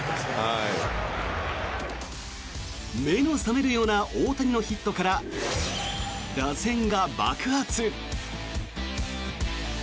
目の覚めるような大谷のヒットから打線が爆発。